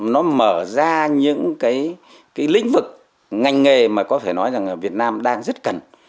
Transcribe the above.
nó mở ra những cái lĩnh vực ngành nghề mà có thể nói rằng việt nam đang rất cần